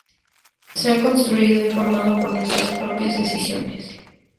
Se ha construido y formado por nuestras propias decisiones.